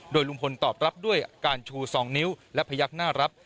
ลุงพลตอบรับด้วยอาการชู๒นิ้วและพยักหน้ารับ